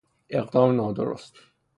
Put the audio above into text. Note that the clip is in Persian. اقدام نادرست